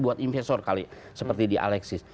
buat investor kali seperti di alexis